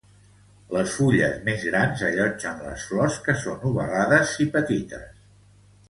Les fulles més grans allotgen les flors que són ovalades i petites.